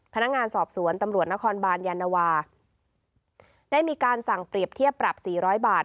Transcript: พนักงานสอบสวนตำรวจนครบานยานวาได้มีการสั่งเปรียบเทียบปรับสี่ร้อยบาท